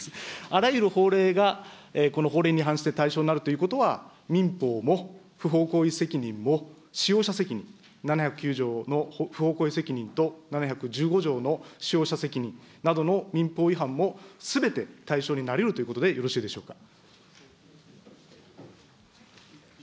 あらゆる法令がこの法令に反して対象になるということは、民法も不法行為責任も使用者責任、７９０条の不法行為責任と７１５条の使用者責任などの民法違反もすべて対象になりうるということでよろしいでしょうか。